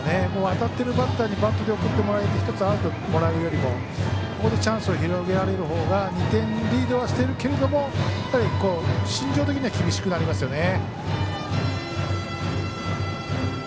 当たっているバッターにバントで送ってもらって１つアウトもらうよりもここでチャンスを広げられる方が２点リードはしているけども心情的には厳しくなりますね。